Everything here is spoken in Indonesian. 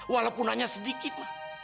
walaupun hanya sedikit ma